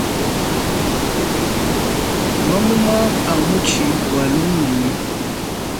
Mamuma a mutshi wa lugenyi.